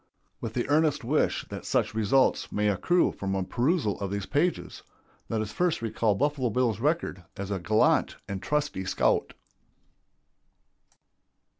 With the earnest wish that such results may accrue from a perusal of these pages, let us first recall Buffalo Bill's record as a gallant and trusty scout.